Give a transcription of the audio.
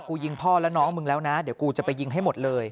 ยิงพ่อแล้วน้องมึงแล้วนะเดี๋ยวกูจะไปยิงให้หมดเลย